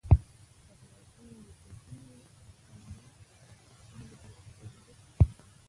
پر لوحه یې لیکل شوي وو اعمده القدس.